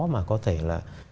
mà có thể là